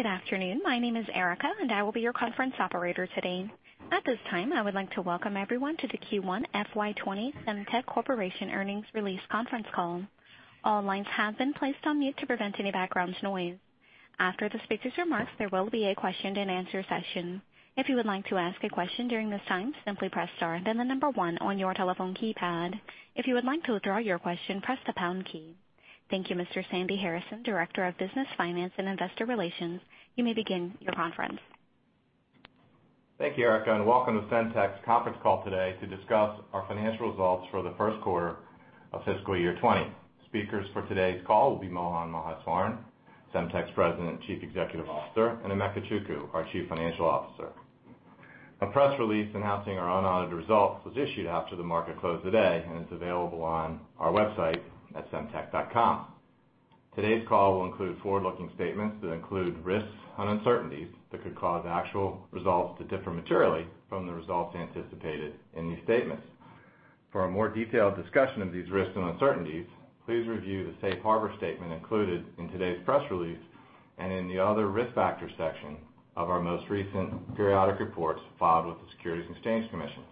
Good afternoon. My name is Erica, and I will be your conference operator today. At this time, I would like to welcome everyone to the Q1 FY 2020 Semtech Corporation earnings release conference call. All lines have been placed on mute to prevent any background noise. After the speakers' remarks, there will be a question and answer session. If you would like to ask a question during this time, simply press star then the number one on your telephone keypad. If you would like to withdraw your question, press the pound key. Thank you, Mr. Sandy Harrison, Director of Business Finance and Investor Relations. You may begin your conference. Thank you, Erica, and welcome to Semtech's conference call today to discuss our financial results for the first quarter of fiscal year 2020. Speakers for today's call will be Mohan Maheswaran, Semtech's President and Chief Executive Officer, and Emeka Chukwu, our Chief Financial Officer. A press release announcing our unaudited results was issued after the market closed today and is available on our website at semtech.com. Today's call will include forward-looking statements that include risks and uncertainties that could cause actual results to differ materially from the results anticipated in these statements. For a more detailed discussion of these risks and uncertainties, please review the safe harbor statement included in today's press release and in the Other Risk Factors section of our most recent periodic reports filed with the Securities and Exchange Commission.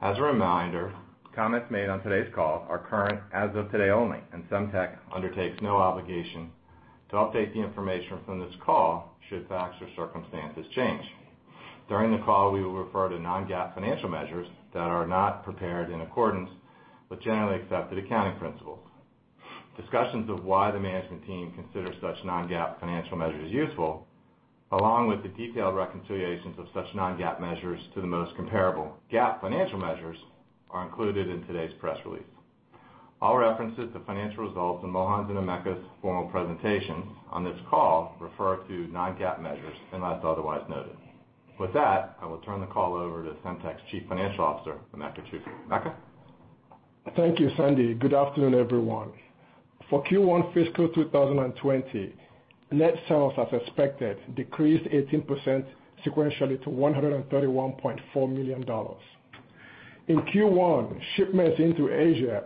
As a reminder, comments made on today's call are current as of today only. Semtech undertakes no obligation to update the information from this call should facts or circumstances change. During the call, we will refer to non-GAAP financial measures that are not prepared in accordance with generally accepted accounting principles. Discussions of why the management team consider such non-GAAP financial measures useful, along with a detailed reconciliations of such non-GAAP measures to the most comparable GAAP financial measures, are included in today's press release. All references to financial results in Mohan's and Emeka's formal presentations on this call refer to non-GAAP measures, unless otherwise noted. With that, I will turn the call over to Semtech's Chief Financial Officer, Emeka Chukwu. Emeka? Thank you, Sandy. Good afternoon, everyone. For Q1 fiscal 2020, net sales, as expected, decreased 18% sequentially to $131.4 million. In Q1, shipments into Asia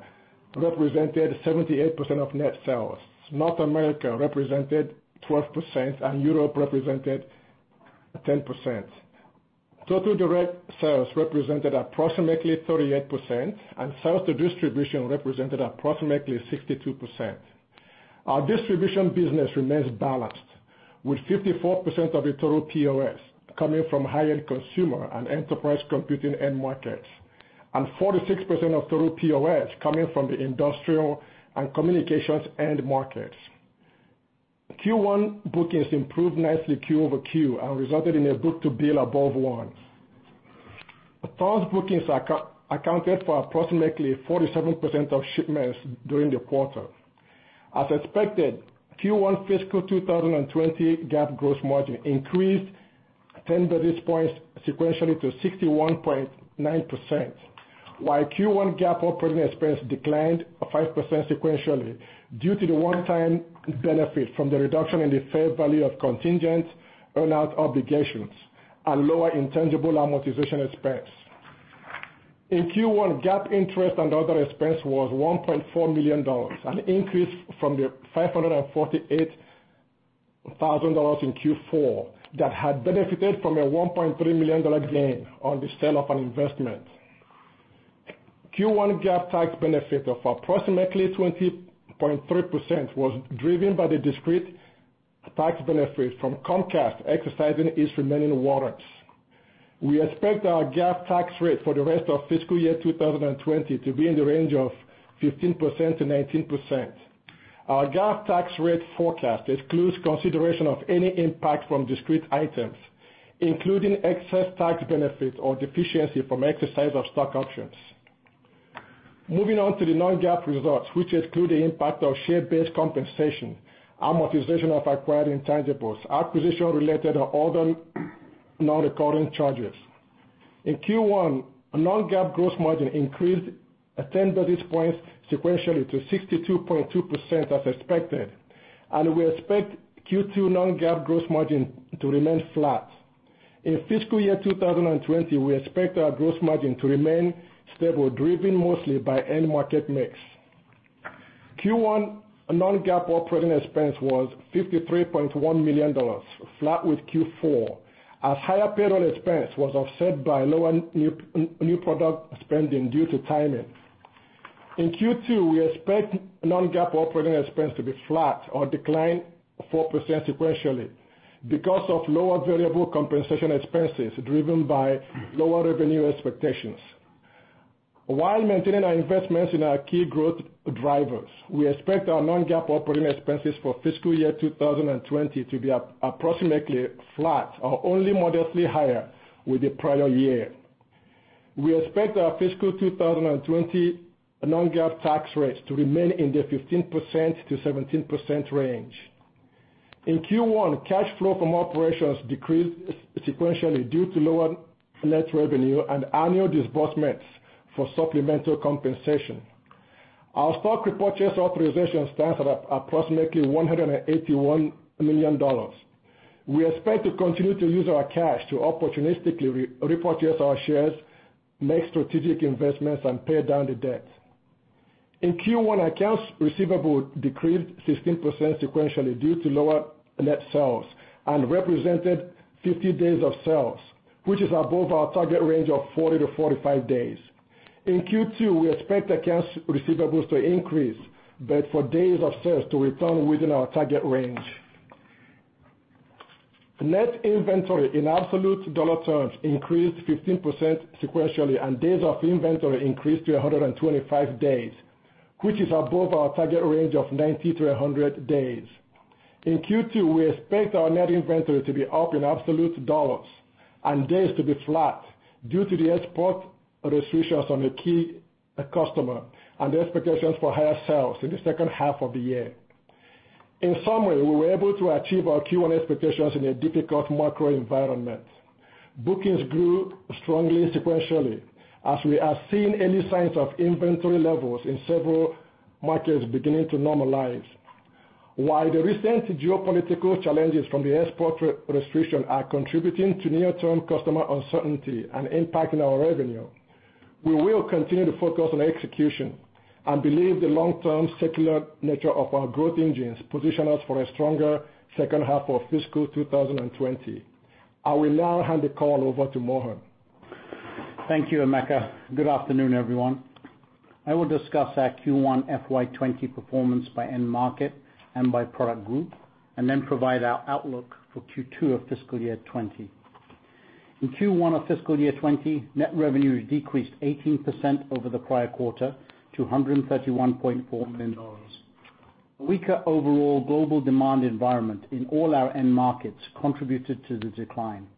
represented 78% of net sales. North America represented 12%, and Europe represented 10%. Total direct sales represented approximately 38%, and sales to distribution represented approximately 62%. Our distribution business remains balanced, with 54% of the total POS coming from high-end consumer and enterprise computing end markets, and 46% of total POS coming from the industrial and communications end markets. Q1 bookings improved nicely Q over Q and resulted in a book to bill above one. Those bookings accounted for approximately 47% of shipments during the quarter. As expected, Q1 fiscal 2020 GAAP gross margin increased 10 basis points sequentially to 61.9%, while Q1 GAAP operating expense declined 5% sequentially due to the one-time benefit from the reduction in the fair value of contingent earn-out obligations and lower intangible amortization expense. In Q1, GAAP interest and other expense was $1.4 million, an increase from the $548,000 in Q4 that had benefited from a $1.3 million gain on the sale of an investment. Q1 GAAP tax benefit of approximately 20.3% was driven by the discrete tax benefit from Comcast exercising its remaining warrants. We expect our GAAP tax rate for the rest of fiscal year 2020 to be in the range of 15%-19%. Our GAAP tax rate forecast excludes consideration of any impact from discrete items, including excess tax benefit or deficiency from exercise of stock options. Moving on to the non-GAAP results, which exclude the impact of share-based compensation, amortization of acquired intangibles, acquisition-related or other non-recurring charges. In Q1, non-GAAP gross margin increased 10 basis points sequentially to 62.2%, as expected, and we expect Q2 non-GAAP gross margin to remain flat. In fiscal year 2020, we expect our gross margin to remain stable, driven mostly by end market mix. Q1 non-GAAP operating expense was $53.1 million, flat with Q4, as higher payroll expense was offset by lower new product spending due to timing. In Q2, we expect non-GAAP operating expense to be flat or decline 4% sequentially because of lower variable compensation expenses driven by lower revenue expectations. While maintaining our investments in our key growth drivers, we expect our non-GAAP operating expenses for fiscal year 2020 to be approximately flat or only modestly higher with the prior year. We expect our fiscal 2020 non-GAAP tax rates to remain in the 15%-17% range. In Q1, cash flow from operations decreased sequentially due to lower net revenue and annual disbursements for supplemental compensation. Our stock repurchase authorization stands at approximately $181 million. We expect to continue to use our cash to opportunistically repurchase our shares, make strategic investments, and pay down the debt. In Q1, accounts receivable decreased 16% sequentially due to lower net sales and represented 50 days of sales, which is above our target range of 40-45 days. In Q2, we expect accounts receivables to increase, but for days of sales to return within our target range. Net inventory in absolute dollar terms increased 15% sequentially, and days of inventory increased to 125 days, which is above our target range of 90-100 days. In Q2, we expect our net inventory to be up in absolute dollars and days to be flat due to the export restrictions on a key customer and the expectations for higher sales in the second half of the year. In summary, we were able to achieve our Q1 expectations in a difficult macro environment. Bookings grew strongly sequentially as we are seeing early signs of inventory levels in several markets beginning to normalize. While the recent geopolitical challenges from the export restriction are contributing to near-term customer uncertainty and impacting our revenue, we will continue to focus on execution and believe the long-term secular nature of our growth engines position us for a stronger second half of fiscal 2020. I will now hand the call over to Mohan. Thank you, Emeka. Good afternoon, everyone. I will discuss our Q1 FY 2020 performance by end market and by product group, and then provide our outlook for Q2 of fiscal year 2020. In Q1 of fiscal year 2020, net revenue decreased 18% over the prior quarter to $131.4 million. Weaker overall global demand environment in all our end markets contributed to the decline.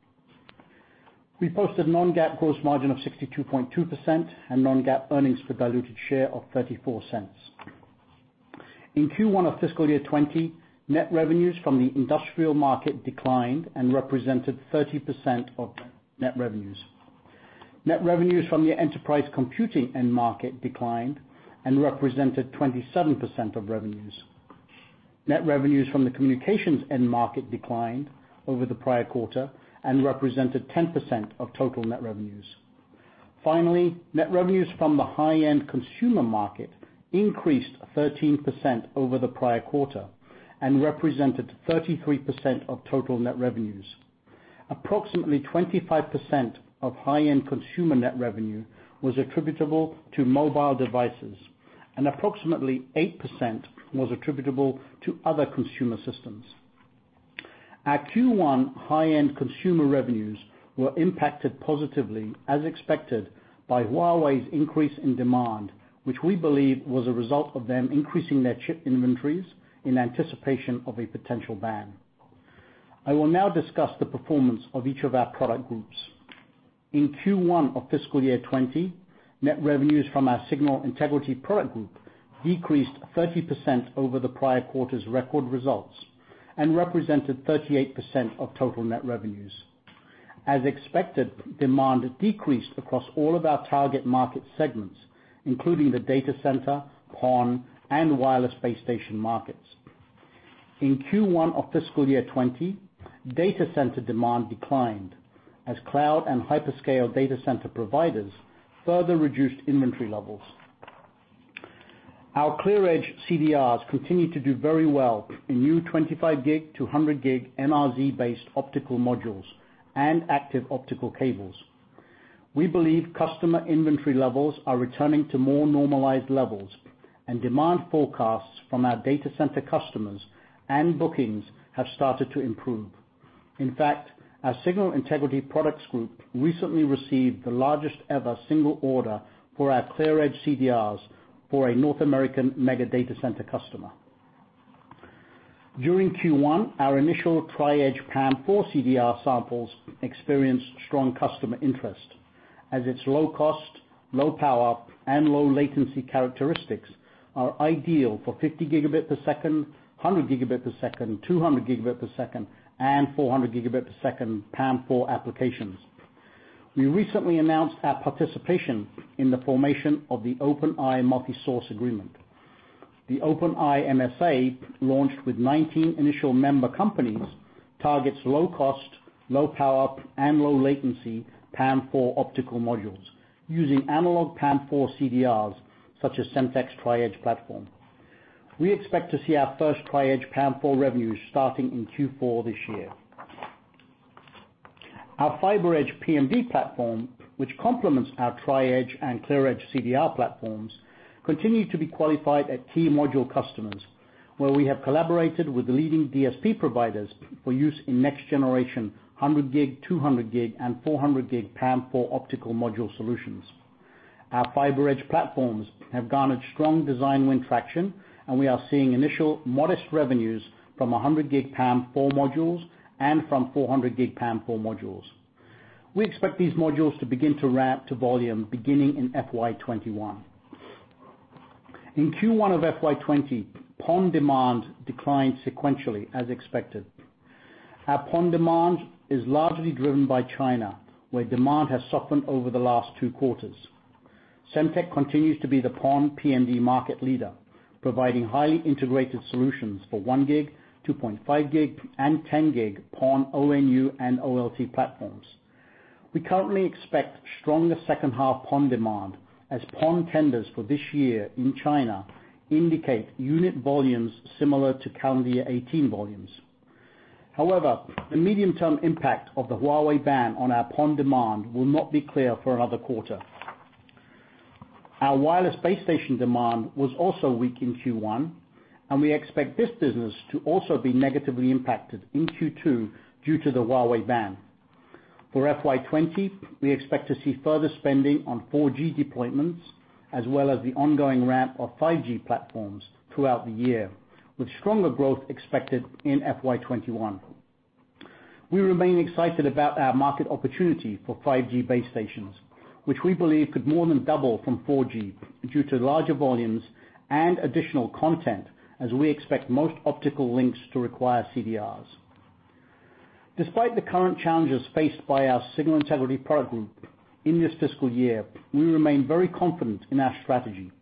We posted non-GAAP gross margin of 62.2% and non-GAAP earnings per diluted share of $0.34. In Q1 of fiscal year 2020, net revenues from the industrial market declined and represented 30% of net revenues. Net revenues from the enterprise computing end market declined and represented 27% of revenues. Net revenues from the communications end market declined over the prior quarter and represented 10% of total net revenues. Net revenues from the high-end consumer market increased 13% over the prior quarter and represented 33% of total net revenues. Approximately 25% of high-end consumer net revenue was attributable to mobile devices, and approximately 8% was attributable to other consumer systems. Our Q1 high-end consumer revenues were impacted positively, as expected, by Huawei's increase in demand, which we believe was a result of them increasing their chip inventories in anticipation of a potential ban. I will now discuss the performance of each of our product groups. In Q1 of fiscal year 2020, net revenues from our signal integrity product group decreased 30% over the prior quarter's record results and represented 38% of total net revenues. As expected, demand decreased across all of our target market segments, including the data center, PON, and wireless base station markets. In Q1 of fiscal year 2020, data center demand declined as cloud and hyperscale data center providers further reduced inventory levels. Our ClearEdge CDRs continue to do very well in new 25 gig to 100 gig NRZ-based optical modules and active optical cables. We believe customer inventory levels are returning to more normalized levels and demand forecasts from our data center customers and bookings have started to improve. In fact, our signal integrity products group recently received the largest-ever single order for our ClearEdge CDRs for a North American mega data center customer. During Q1, our initial Tri-Edge PAM4 CDR samples experienced strong customer interest, as its low cost, low power, and low latency characteristics are ideal for 50 gigabit per second, 100 gigabit per second, 200 gigabit per second, and 400 gigabit per second PAM4 applications. We recently announced our participation in the formation of the OpenEye Multisource Agreement. The OpenEye MSA, launched with 19 initial member companies, targets low cost, low power, and low latency PAM4 optical modules using analog PAM4 CDRs, such as Semtech's Tri-Edge platform. We expect to see our first Tri-Edge PAM4 revenues starting in Q4 this year. Our FiberEdge PMD platform, which complements our Tri-Edge and ClearEdge CDR platforms, continue to be qualified at key module customers, where we have collaborated with the leading DSP providers for use in next generation 100 gig, 200 gig, and 400 gig PAM4 optical module solutions. Our FiberEdge platforms have garnered strong design win traction, and we are seeing initial modest revenues from 100 gig PAM4 modules and from 400 gig PAM4 modules. We expect these modules to begin to ramp to volume beginning in FY 2021. In Q1 of FY 2020, PON demand declined sequentially as expected. Our PON demand is largely driven by China, where demand has softened over the last two quarters. Semtech continues to be the PON PMD market leader, providing highly integrated solutions for one gig, 2.5 gig, and 10 gig PON ONU and OLT platforms. We currently expect stronger second half PON demand as PON tenders for this year in China indicate unit volumes similar to calendar year 2018 volumes. The medium-term impact of the Huawei ban on our PON demand will not be clear for another quarter. Our wireless base station demand was also weak in Q1, and we expect this business to also be negatively impacted in Q2 due to the Huawei ban. For FY 2020, we expect to see further spending on 4G deployments, as well as the ongoing ramp of 5G platforms throughout the year, with stronger growth expected in FY 2021. We remain excited about our market opportunity for 5G base stations, which we believe could more than double from 4G due to larger volumes and additional content as we expect most optical links to require CDRs. Despite the current challenges faced by our signal integrity product group in this fiscal year, we remain very confident in our strategy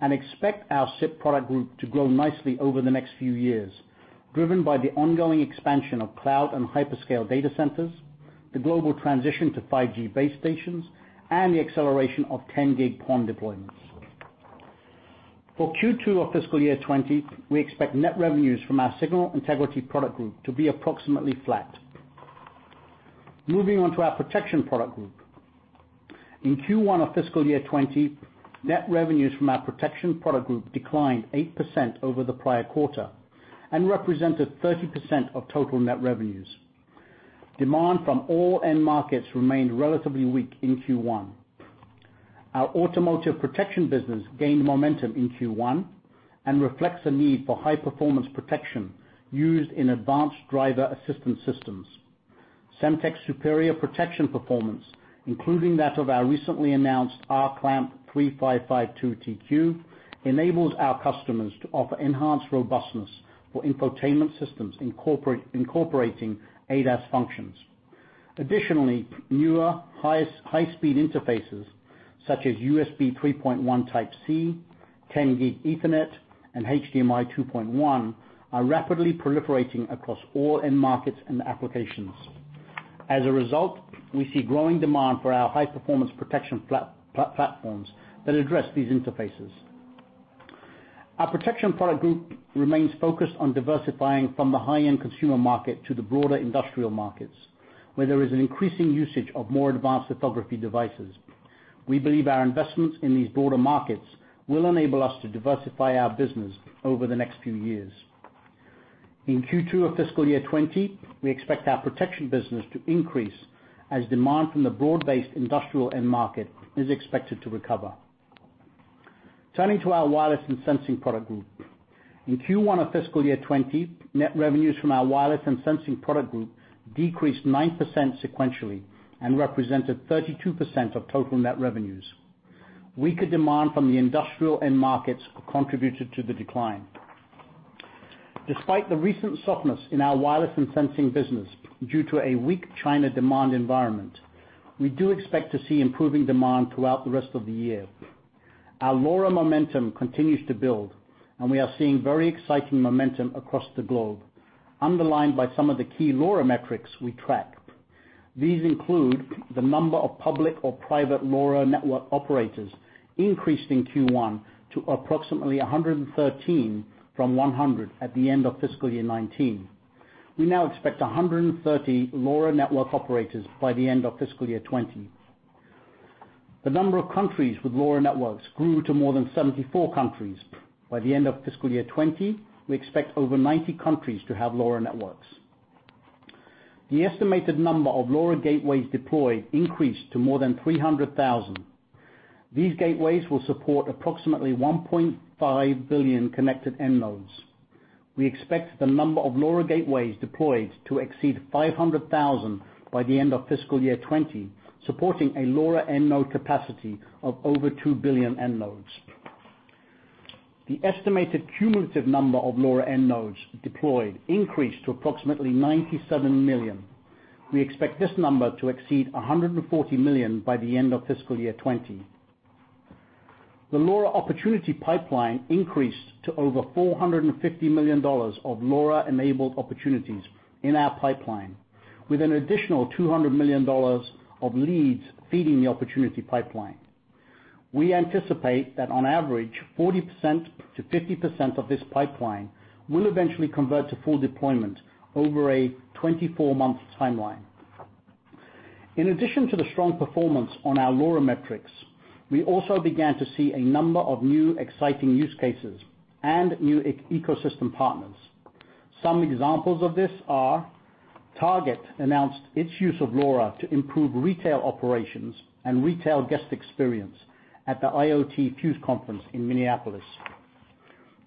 and expect our SIP product group to grow nicely over the next few years, driven by the ongoing expansion of cloud and hyperscale data centers, the global transition to 5G base stations, and the acceleration of 10 gig PON deployments. For Q2 of fiscal year 2020, we expect net revenues from our signal integrity product group to be approximately flat. Moving on to our protection product group. In Q1 of fiscal year 2020, net revenues from our protection product group declined 8% over the prior quarter and represented 30% of total net revenues. Demand from all end markets remained relatively weak in Q1. Our automotive protection business gained momentum in Q1 and reflects a need for high-performance protection used in advanced driver assistance systems. Semtech's superior protection performance, including that of our recently announced RClamp 3552TQ, enables our customers to offer enhanced robustness for infotainment systems incorporating ADAS functions. Newer high-speed interfaces such as USB 3.1 Type-C, 10 Gig Ethernet, and HDMI 2.1 are rapidly proliferating across all end markets and applications. As a result, we see growing demand for our high-performance protection platforms that address these interfaces. Our protection product group remains focused on diversifying from the high-end consumer market to the broader industrial markets, where there is an increasing usage of more advanced topography devices. We believe our investments in these broader markets will enable us to diversify our business over the next few years. In Q2 of fiscal year 2020, we expect our protection business to increase as demand from the broad-based industrial end market is expected to recover. Turning to our wireless and sensing product group. In Q1 of fiscal year 2020, net revenues from our wireless and sensing product group decreased 9% sequentially and represented 32% of total net revenues. Weaker demand from the industrial end markets contributed to the decline. Despite the recent softness in our wireless and sensing business due to a weak China demand environment, we do expect to see improving demand throughout the rest of the year. Our LoRa momentum continues to build. We are seeing very exciting momentum across the globe, underlined by some of the key LoRa metrics we track. These include the number of public or private LoRa network operators increased in Q1 to approximately 113 from 100 at the end of fiscal year 2019. We now expect 130 LoRa network operators by the end of fiscal year 2020. The number of countries with LoRa networks grew to more than 74 countries. By the end of fiscal year 2020, we expect over 90 countries to have LoRa networks. The estimated number of LoRa gateways deployed increased to more than 300,000. These gateways will support approximately 1.5 billion connected end nodes. We expect the number of LoRa gateways deployed to exceed 500,000 by the end of fiscal year 2020, supporting a LoRa end node capacity of over 2 billion end nodes. The estimated cumulative number of LoRa end nodes deployed increased to approximately 197 million. We expect this number to exceed 140 million by the end of fiscal year 2020. The LoRa opportunity pipeline increased to over $450 million of LoRa-enabled opportunities in our pipeline, with an additional $200 million of leads feeding the opportunity pipeline. We anticipate that on average, 40%-50% of this pipeline will eventually convert to full deployment over a 24-month timeline. In addition to the strong performance on our LoRa metrics, we also began to see a number of new exciting use cases and new ecosystem partners. Some examples of this are Target announced its use of LoRa to improve retail operations and retail guest experience at the IoTFuse conference in Minneapolis.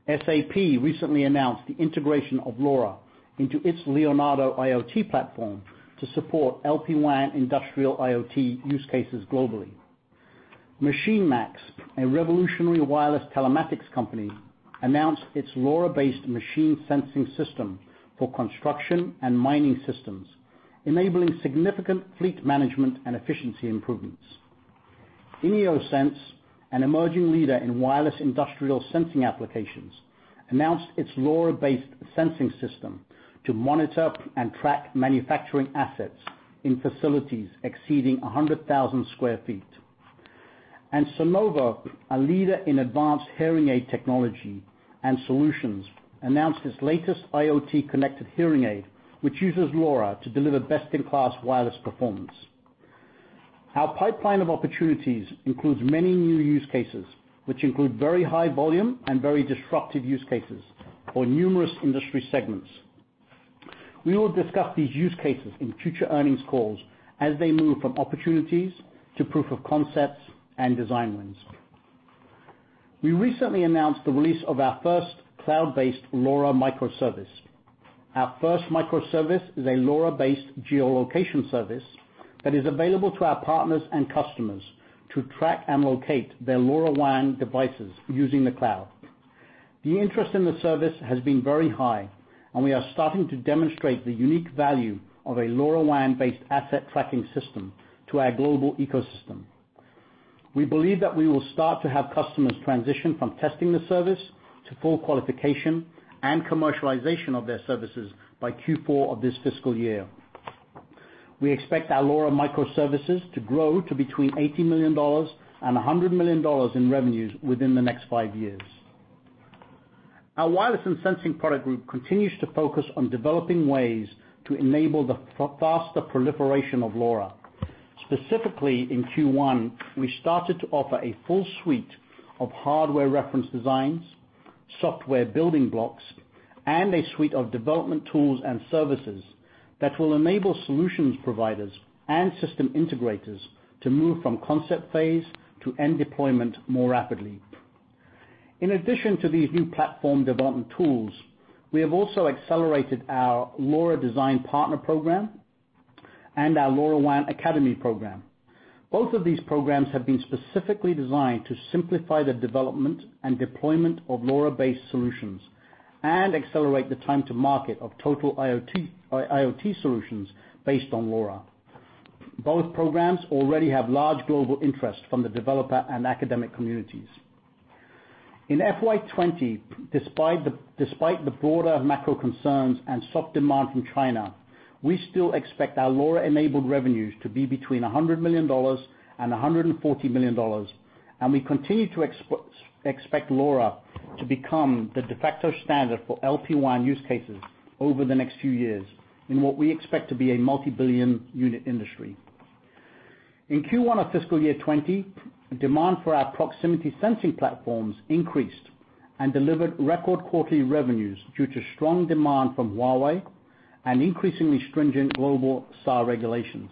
SAP recently announced the integration of LoRa into its Leonardo IoT platform to support LPWAN industrial IoT use cases globally. MachineMax, a revolutionary wireless telematics company, announced its LoRa-based machine sensing system for construction and mining systems, enabling significant fleet management and efficiency improvements. Ineo-Sense, an emerging leader in wireless industrial sensing applications, announced its LoRa-based sensing system to monitor and track manufacturing assets in facilities exceeding 100,000 sq ft. Sonova, a leader in advanced hearing aid technology and solutions, announced its latest IoT connected hearing aid, which uses LoRa to deliver best-in-class wireless performance. Our pipeline of opportunities includes many new use cases, which include very high volume and very disruptive use cases for numerous industry segments. We will discuss these use cases in future earnings calls as they move from opportunities to proof of concepts and design wins. We recently announced the release of our first cloud-based LoRa microservice. Our first microservice is a LoRa-based geolocation service that is available to our partners and customers to track and locate their LoRaWAN devices using the cloud. The interest in the service has been very high. We are starting to demonstrate the unique value of a LoRaWAN-based asset tracking system to our global ecosystem. We believe that we will start to have customers transition from testing the service to full qualification and commercialization of their services by Q4 of this fiscal year. We expect our LoRa microservices to grow to between $80 million-$100 million in revenues within the next five years. Our wireless and sensing product group continues to focus on developing ways to enable the faster proliferation of LoRa. Specifically, in Q1, we started to offer a full suite of hardware reference designs, software building blocks, and a suite of development tools and services that will enable solutions providers and system integrators to move from concept phase to end deployment more rapidly. In addition to these new platform development tools, we have also accelerated our LoRa Design Partner Program and our LoRaWAN Academy program. Both of these programs have been specifically designed to simplify the development and deployment of LoRa-based solutions and accelerate the time to market of total IoT solutions based on LoRa. Both programs already have large global interest from the developer and academic communities. In FY 2020, despite the broader macro concerns and soft demand from China, we still expect our LoRa-enabled revenues to be between $100 million and $140 million. We continue to expect LoRa to become the de facto standard for LPWAN use cases over the next few years in what we expect to be a multi-billion unit industry. In Q1 of fiscal year 2020, demand for our proximity sensing platforms increased and delivered record quarterly revenues due to strong demand from Huawei and increasingly stringent global SAR regulations.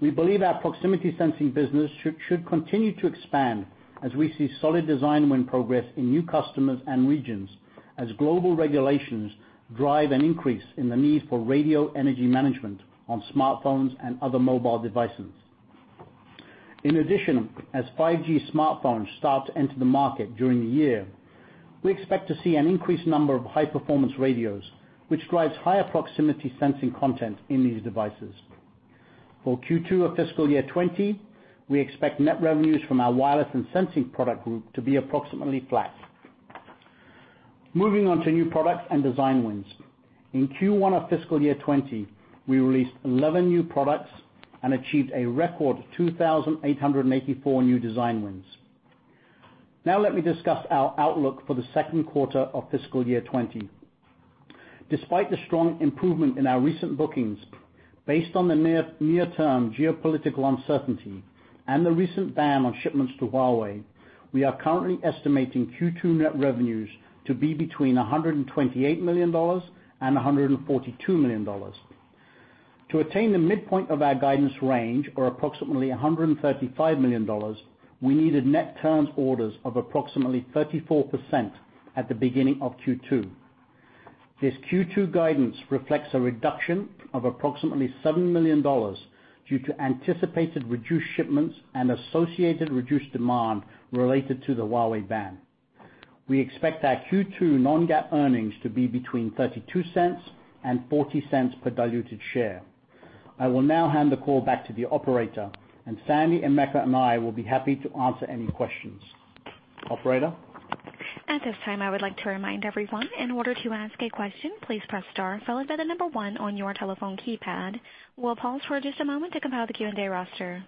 We believe our proximity sensing business should continue to expand as we see solid design win progress in new customers and regions as global regulations drive an increase in the need for radio energy management on smartphones and other mobile devices. In addition, as 5G smartphones start to enter the market during the year, we expect to see an increased number of high-performance radios, which drives higher proximity sensing content in these devices. For Q2 of fiscal year 2020, we expect net revenues from our wireless and sensing product group to be approximately flat. Moving on to new products and design wins. In Q1 of fiscal year 2020, we released 11 new products and achieved a record 2,884 new design wins. Now let me discuss our outlook for the second quarter of fiscal year 2020. Despite the strong improvement in our recent bookings, based on the near-term geopolitical uncertainty and the recent ban on shipments to Huawei, we are currently estimating Q2 net revenues to be between $128 million and $142 million. To attain the midpoint of our guidance range, or approximately $135 million, we needed net turns orders of approximately 34% at the beginning of Q2. This Q2 guidance reflects a reduction of approximately $7 million due to anticipated reduced shipments and associated reduced demand related to the Huawei ban. We expect our Q2 non-GAAP earnings to be between $0.32 and $0.40 per diluted share. I will now hand the call back to the operator. Sandy, Emeka, and I will be happy to answer any questions. Operator? At this time, I would like to remind everyone, in order to ask a question, please press star followed by the number one on your telephone keypad. We'll pause for just a moment to compile the Q&A roster.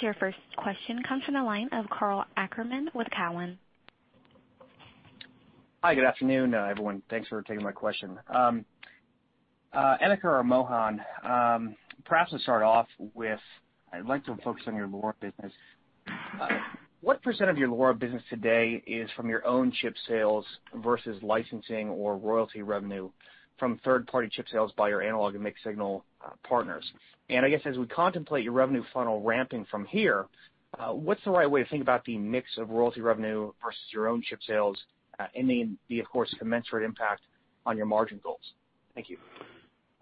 Your first question comes from the line of Karl Ackerman with Cowen. Hi. Good afternoon, everyone. Thanks for taking my question. Emeka or Mohan, perhaps to start off with, I'd like to focus on your LoRa business. What % of your LoRa business today is from your own chip sales versus licensing or royalty revenue from third-party chip sales by your analog and mixed signal partners? I guess as we contemplate your revenue funnel ramping from here, what's the right way to think about the mix of royalty revenue versus your own chip sales and then the, of course, commensurate impact on your margin goals? Thank you.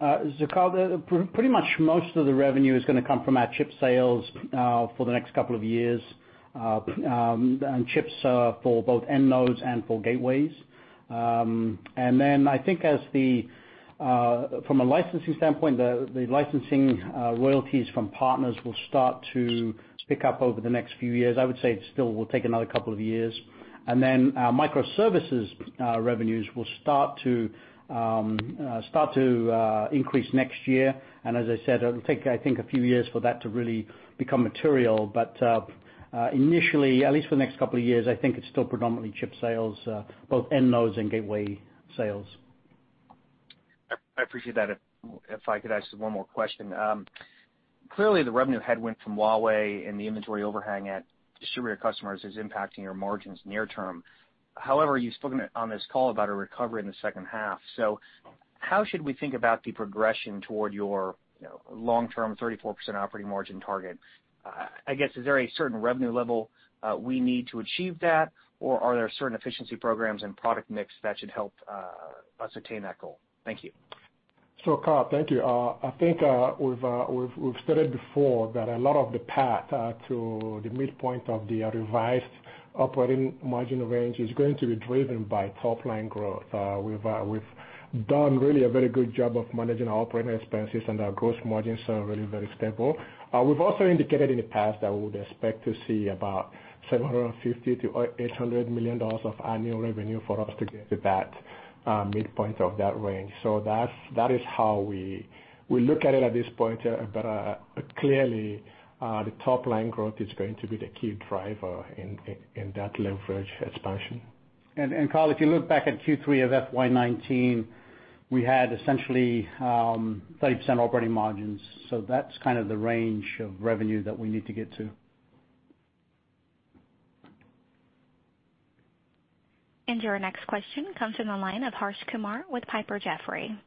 Karl, pretty much most of the revenue is going to come from our chip sales for the next couple of years. And chips for both end nodes and for gateways. I think from a licensing standpoint, the licensing royalties from partners will start to pick up over the next few years. I would say it still will take another couple of years. Microservices revenues will start to increase next year. As I said, it'll take, I think, a few years for that to really become material. Initially, at least for the next couple of years, I think it's still predominantly chip sales, both end nodes and gateway sales. I appreciate that. If I could ask just one more question. Clearly, the revenue headwind from Huawei and the inventory overhang at distributor customers is impacting your margins near term. However, you've spoken on this call about a recovery in the second half. How should we think about the progression toward your long-term 34% operating margin target? I guess, is there a certain revenue level we need to achieve that, or are there certain efficiency programs and product mix that should help us attain that goal? Thank you. Karl, thank you. I think we've stated before that a lot of the path to the midpoint of the revised operating margin range is going to be driven by top-line growth. We've done really a very good job of managing our operating expenses, and our gross margins are really very stable. We've also indicated in the past that we would expect to see about $750 million-$800 million of annual revenue for us to get to that midpoint of that range. That is how we look at it at this point. Clearly, the top-line growth is going to be the key driver in that leverage expansion. Karl, if you look back at Q3 of FY 2019, we had essentially 30% operating margins. That's kind of the range of revenue that we need to get to. Your next question comes from the line of Harsh Kumar with Piper Jaffray.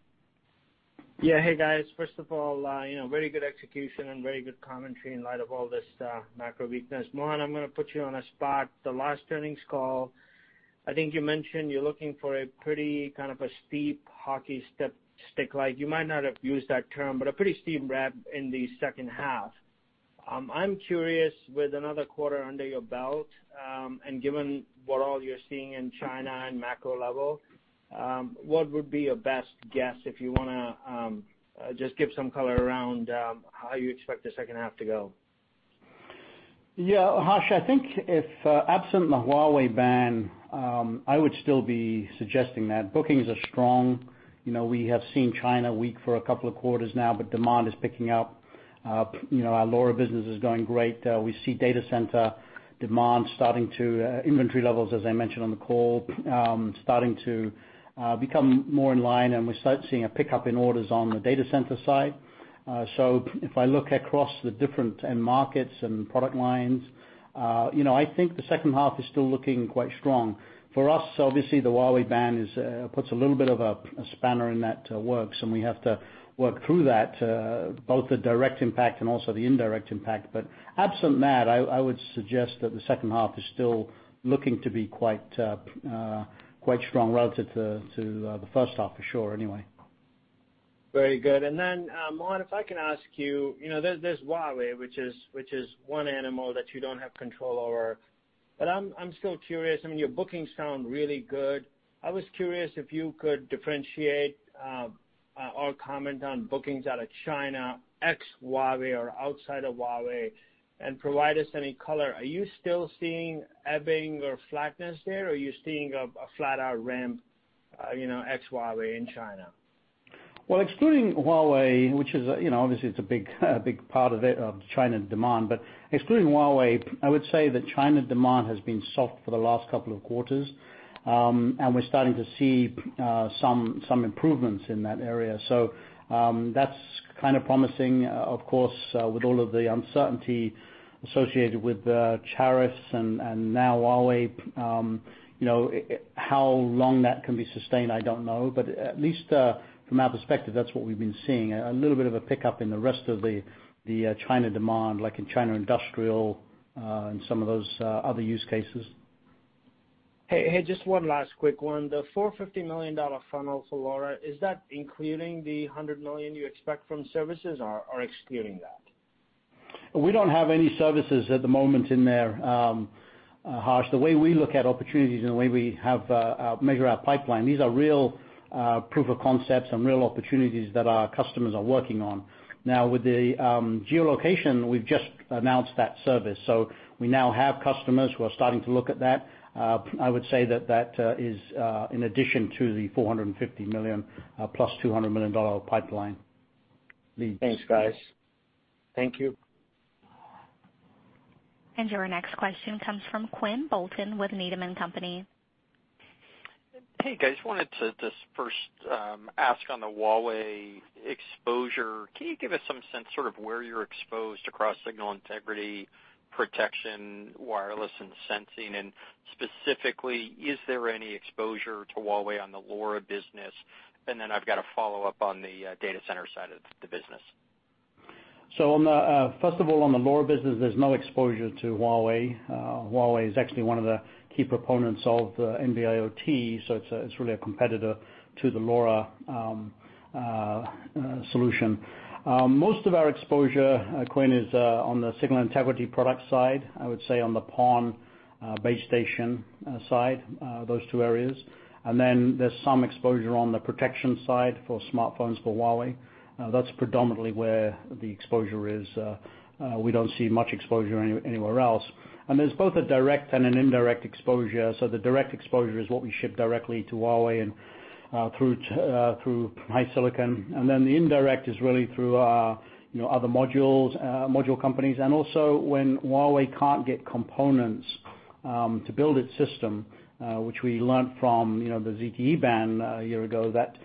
Yeah. Hey, guys. First of all, very good execution and very good commentary in light of all this macro weakness. Mohan, I'm going to put you on a spot. The last earnings call, I think you mentioned you're looking for a pretty steep hockey stick-like. You might not have used that term, but a pretty steep ramp in the second half. I'm curious, with another quarter under your belt, and given what all you're seeing in China and macro level, what would be your best guess if you want to just give some color around how you expect the second half to go? Yeah. Harsh, I think if absent the Huawei ban, I would still be suggesting that bookings are strong. We have seen China weak for a couple of quarters now, but demand is picking up. Our LoRa business is going great. We see data center demand, inventory levels, as I mentioned on the call, starting to become more in line, and we're start seeing a pickup in orders on the data center side. If I look across the different end markets and product lines, I think the second half is still looking quite strong. For us, obviously, the Huawei ban puts a little bit of a spanner in the works, and we have to work through that, both the direct impact and also the indirect impact. Absent that, I would suggest that the second half is still looking to be quite strong relative to the first half, for sure anyway. Very good. Mohan, if I can ask you, there's Huawei, which is one animal that you don't have control over. I'm still curious. Your bookings sound really good. I was curious if you could differentiate or comment on bookings out of China, ex Huawei or outside of Huawei, and provide us any color. Are you still seeing ebbing or flatness there, or are you seeing a flat out ramp ex Huawei in China? Excluding Huawei, which obviously it's a big part of the China demand, excluding Huawei, I would say that China demand has been soft for the last couple of quarters. We're starting to see some improvements in that area. That's kind of promising, of course with all of the uncertainty associated with the tariffs and now Huawei. How long that can be sustained, I don't know. At least from our perspective, that's what we've been seeing, a little bit of a pickup in the rest of the China demand, like in China industrial and some of those other use cases. Hey, just one last quick one. The $450 million funnel for LoRa, is that including the $100 million you expect from services or excluding that? We don't have any services at the moment in there, Harsh. The way we look at opportunities and the way we measure our pipeline, these are real proof of concepts and real opportunities that our customers are working on. Now, with the geolocation, we've just announced that service. We now have customers who are starting to look at that. I would say that that is in addition to the $450 million plus $200 million pipeline leads. Thanks, guys. Thank you. Your next question comes from Quinn Bolton with Needham & Company. Hey, guys. Wanted to just first ask on the Huawei exposure, can you give us some sense sort of where you're exposed across signal integrity, protection, wireless, and sensing, and specifically, is there any exposure to Huawei on the LoRa business? Then I've got a follow-up on the data center side of the business. First of all, on the LoRa business, there's no exposure to Huawei. Huawei is actually one of the key proponents of the NB-IoT, so it's really a competitor to the LoRa solution. Most of our exposure, Quinn, is on the signal integrity product side. I would say on the PON base station side, those two areas. Then there's some exposure on the protection side for smartphones for Huawei. That's predominantly where the exposure is. We don't see much exposure anywhere else. There's both a direct and an indirect exposure. The direct exposure is what we ship directly to Huawei and through HiSilicon. Then the indirect is really through other module companies. Also when Huawei can't get components to build its system, which we learnt from the ZTE ban a year ago, that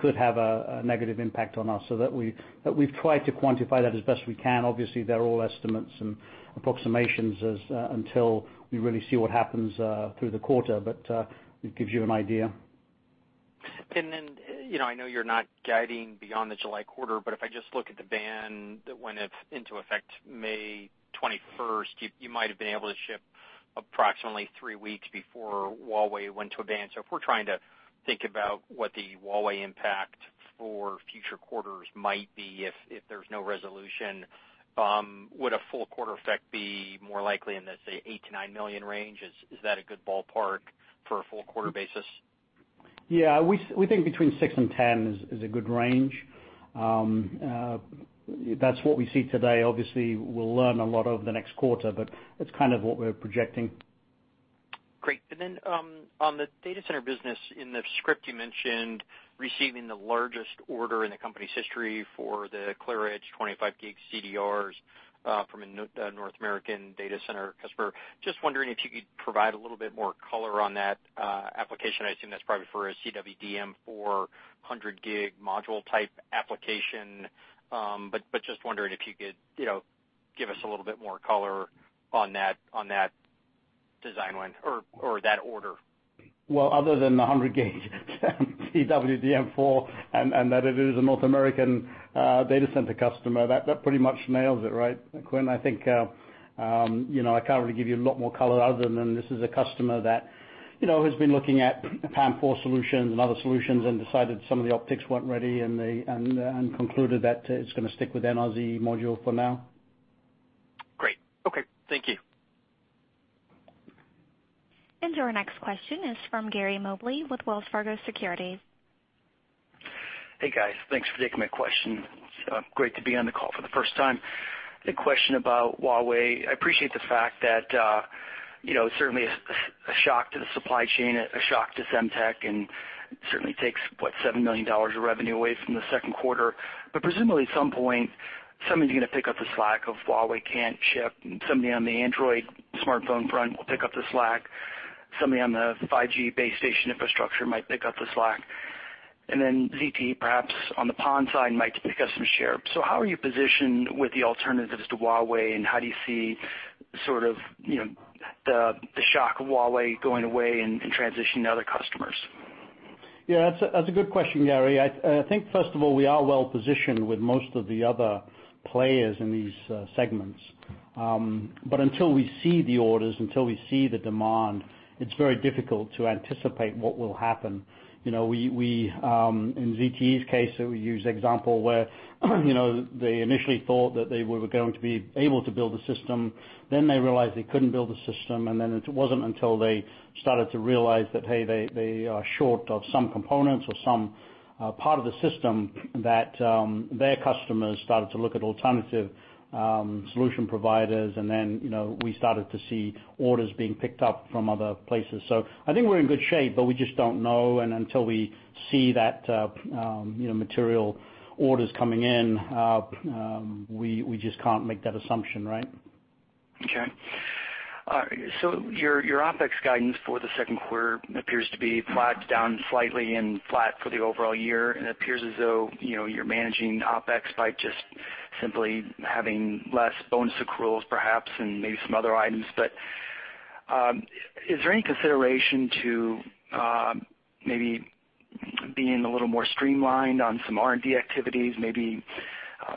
could have a negative impact on us. We've tried to quantify that as best we can. Obviously, they're all estimates and approximations until we really see what happens through the quarter. It gives you an idea. I know you're not guiding beyond the July quarter, but if I just look at the ban that went into effect May 21st, you might have been able to ship approximately three weeks before Huawei went to a ban. If we're trying to think about what the Huawei impact for future quarters might be, if there's no resolution, would a full quarter effect be more likely in the, say, $8 million-$9 million range? Is that a good ballpark for a full quarter basis? Yeah, we think between $6 million and $10 million is a good range. That's what we see today. Obviously, we'll learn a lot over the next quarter, but that's kind of what we're projecting. Great. On the data center business, in the script, you mentioned receiving the largest order in the company's history for the ClearEdge 25G CDRs from a North American data center customer. Just wondering if you could provide a little bit more color on that application. I assume that's probably for a CWDM4 100G module type application. Just wondering if you could give us a little bit more color on that design win or that order. Other than the 100G CWDM4 and that it is a North American data center customer, that pretty much nails it, right, Quinn? I think I can't really give you a lot more color other than this is a customer that has been looking at PAM4 solutions and other solutions and decided some of the optics weren't ready and concluded that it's going to stick with NRZ module for now. Great. Okay. Thank you. Our next question is from Gary Mobley with Wells Fargo Securities. Hey, guys. Thanks for taking my question. It's great to be on the call for the first time. A question about Huawei. I appreciate the fact that it's certainly a shock to the supply chain, a shock to Semtech, and certainly takes, what, $7 million of revenue away from the second quarter. Presumably at some point, somebody's going to pick up the slack of Huawei can't ship. Somebody on the Android smartphone front will pick up the slack. Somebody on the 5G base station infrastructure might pick up the slack. ZTE perhaps on the PON side might pick up some share. How are you positioned with the alternatives to Huawei, and how do you see sort of the shock of Huawei going away and transitioning to other customers? Yeah, that's a good question, Gary. I think, first of all, we are well positioned with most of the other players in these segments. Until we see the orders, until we see the demand, it's very difficult to anticipate what will happen. In ZTE's case, we use the example where they initially thought that they were going to be able to build a system. They realized they couldn't build a system, and then it wasn't until they started to realize that, hey, they are short of some components or some part of the system that their customers started to look at alternative solution providers. We started to see orders being picked up from other places. I think we're in good shape, but we just don't know. Until we see that material orders coming in, we just can't make that assumption, right? Your OpEx guidance for the second quarter appears to be flat to down slightly and flat for the overall year. It appears as though you're managing OpEx by just simply having less bonus accruals, perhaps, and maybe some other items. Is there any consideration to maybe being a little more streamlined on some R&D activities, maybe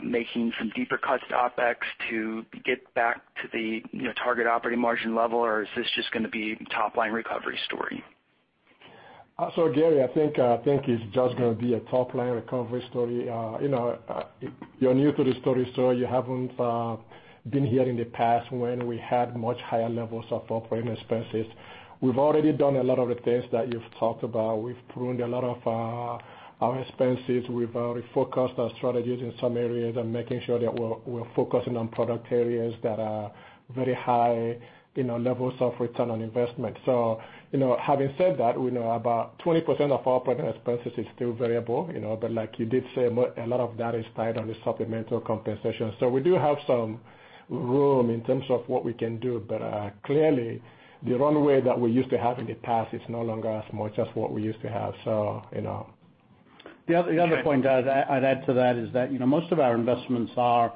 making some deeper cuts to OpEx to get back to the target operating margin level? Is this just going to be a top-line recovery story? Gary, I think it's just going to be a top-line recovery story. You're new to the story, you haven't been here in the past when we had much higher levels of operating expenses. We've already done a lot of the things that you've talked about. We've pruned a lot of our expenses. We've refocused our strategies in some areas and making sure that we're focusing on product areas that are very high levels of return on investment. Having said that, we know about 20% of operating expenses is still variable. Like you did say, a lot of that is tied on the supplemental compensation. We do have some room in terms of what we can do. Clearly, the runway that we used to have in the past is no longer as much as what we used to have. The other point I'd add to that is that most of our investments are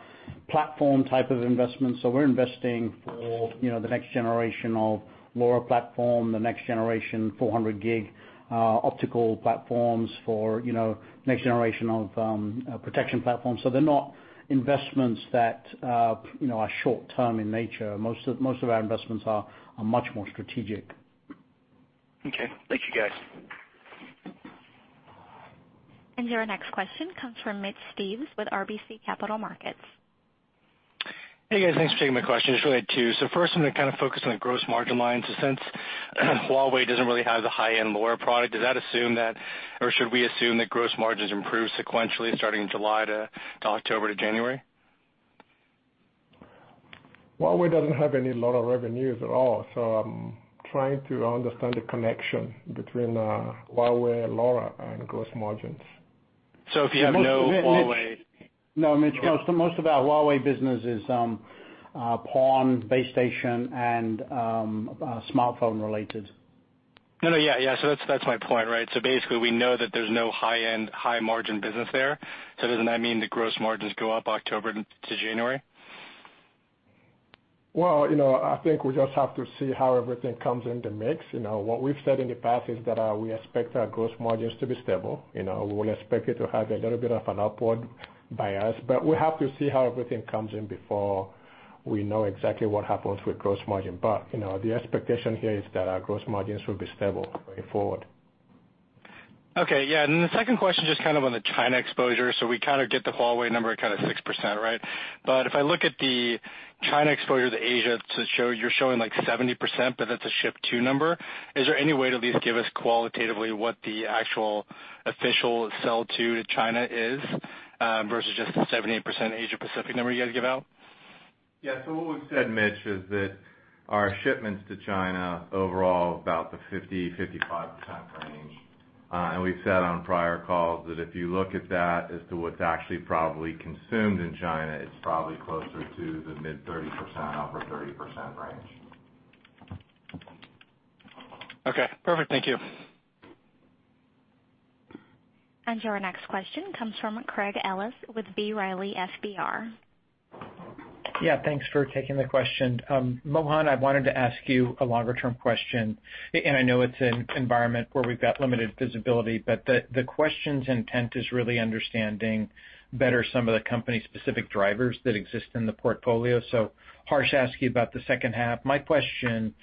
platform type of investments. We're investing for the next generation of LoRa platform, the next generation 400G optical platforms for next generation of protection platforms. They're not investments that are short-term in nature. Most of our investments are much more strategic. Okay. Thank you, guys. Your next question comes from Mitch Steves with RBC Capital Markets. Hey, guys. Thanks for taking my question. First I'm going to focus on the gross margin line. Since Huawei doesn't really have the high-end LoRa product, should we assume that gross margins improve sequentially starting July to October to January? Huawei doesn't have any LoRa revenues at all, I'm trying to understand the connection between Huawei, LoRa, and gross margins. If you have no Huawei- No, Mitch, most of our Huawei business is PON, base station, and smartphone related. No, that's my point, right? Basically we know that there's no high-end, high margin business there. Doesn't that mean the gross margins go up October to January? Well, I think we just have to see how everything comes in the mix. What we've said in the past is that we expect our gross margins to be stable. We would expect it to have a little bit of an upward bias, but we have to see how everything comes in before we know exactly what happens with gross margin. The expectation here is that our gross margins will be stable going forward. Okay. Yeah, the second question, just on the China exposure. We get the Huawei number at 6%, right? If I look at the China exposure to Asia, you're showing like 70%, but that's a ship to number. Is there any way to at least give us qualitatively what the actual official sell to China is, versus just the 78% Asia Pacific number you guys give out? Yeah. What we've said, Mitch, is that our shipments to China overall are about the 50%-55% range. We've said on prior calls that if you look at that as to what's actually probably consumed in China, it's probably closer to the mid 30%-upper 30% range. Okay, perfect. Thank you. Your next question comes from Craig Ellis with B. Riley FBR. Yeah, thanks for taking the question. Mohan, I wanted to ask you a longer-term question. I know it's an environment where we've got limited visibility, but the question's intent is really understanding better some of the company specific drivers that exist in the portfolio. Harsh asked you about the second half. My question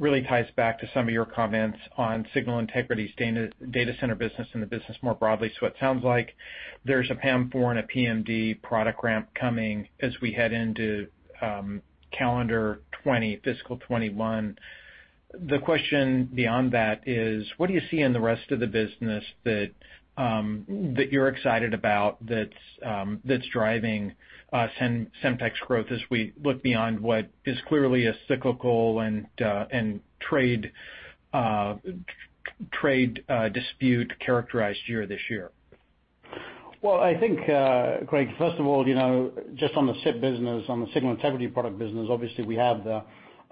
really ties back to some of your comments on signal integrity data center business and the business more broadly. It sounds like there's a PAM4 and a PMD product ramp coming as we head into calendar 2020, fiscal 2021. The question beyond that is what do you see in the rest of the business that you're excited about that's driving Semtech's growth as we look beyond what is clearly a cyclical and trade dispute characterized year this year? Well, I think, Craig, first of all, just on the SIP business, on the signal integrity product business, obviously we have the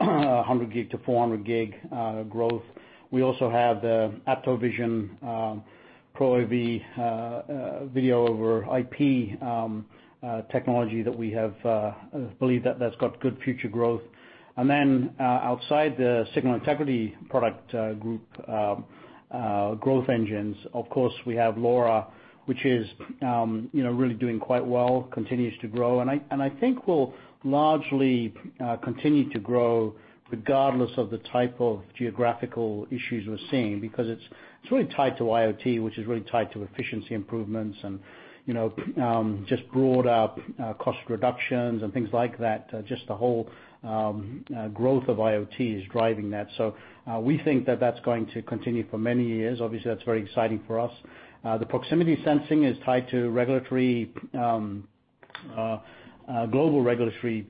100G to 400G growth. We also have the AptoVision ProAV video over IP technology that we believe that's got good future growth. Outside the signal integrity product group growth engines, of course, we have LoRa, which is really doing quite well, continues to grow, and I think will largely continue to grow regardless of the type of geographical issues we're seeing because it's really tied to IoT, which is really tied to efficiency improvements and just broad cost reductions and things like that. Just the whole growth of IoT is driving that. We think that that's going to continue for many years. Obviously, that's very exciting for us. The proximity sensing is tied to global regulatory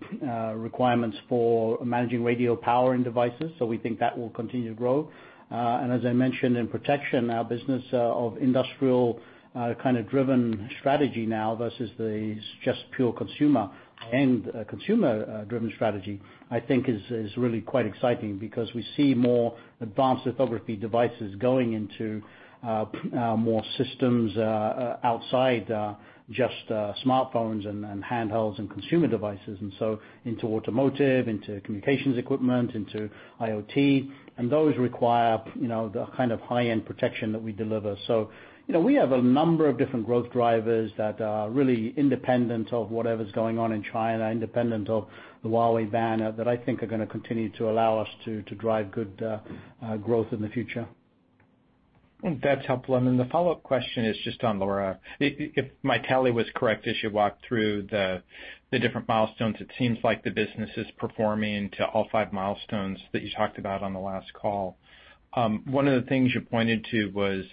requirements for managing radio power in devices, so we think that will continue to grow. As I mentioned in protection, our business of industrial kind of driven strategy now versus the just pure consumer and consumer-driven strategy, I think is really quite exciting because we see more advanced lithography devices going into more systems outside just smartphones and handhelds and consumer devices. Into automotive, into communications equipment, into IoT. Those require the kind of high-end protection that we deliver. We have a number of different growth drivers that are really independent of whatever's going on in China, independent of the Huawei ban, that I think are going to continue to allow us to drive good growth in the future. I think that's helpful. The follow-up question is just on LoRa. If my tally was correct as you walked through the different milestones, it seems like the business is performing to all five milestones that you talked about on the last call. One of the things you pointed to was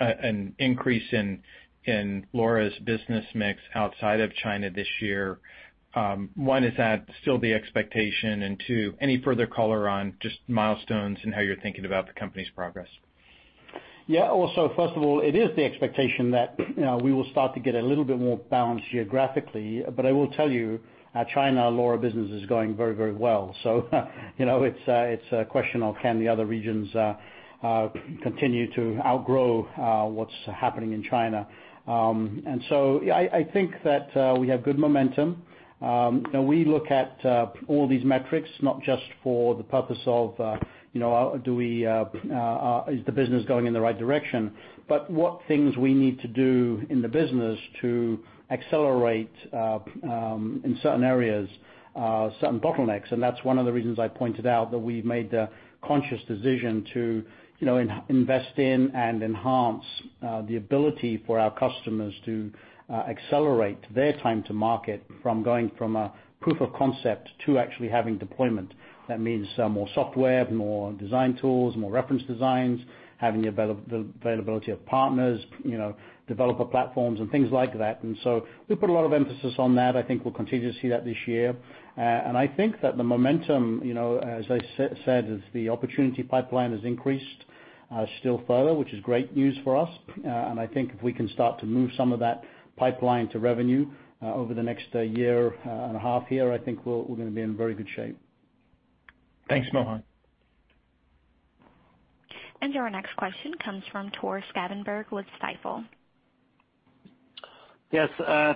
an increase in LoRa's business mix outside of China this year. One, is that still the expectation? Two, any further color on just milestones and how you're thinking about the company's progress? Yeah. First of all, it is the expectation that we will start to get a little bit more balanced geographically. I will tell you, our China LoRa business is going very well. It's a question of can the other regions continue to outgrow what's happening in China. I think that we have good momentum. We look at all these metrics, not just for the purpose of is the business going in the right direction, but what things we need to do in the business to accelerate in certain areas, certain bottlenecks. That's one of the reasons I pointed out that we've made the conscious decision to invest in and enhance the ability for our customers to accelerate their time to market from going from a proof of concept to actually having deployment. That means more software, more design tools, more reference designs, having the availability of partners, developer platforms, and things like that. We put a lot of emphasis on that. I think we'll continue to see that this year. I think that the momentum, as I said, as the opportunity pipeline has increased still further, which is great news for us. I think if we can start to move some of that pipeline to revenue over the next year and a half here, I think we're going to be in very good shape. Thanks, Mohan. Your next question comes from Tore Svanberg with Stifel. Yes,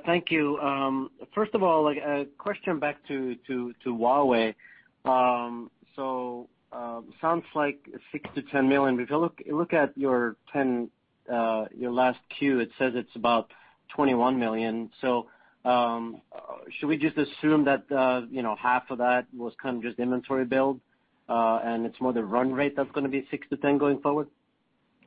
thank you. First of all, a question back to Huawei. Sounds like $6 million-$10 million. If you look at your last quarter, it says it's about $21 million. Should we just assume that half of that was kind of just inventory build, and it's more the run rate that's going to be $6 million-$10 million going forward?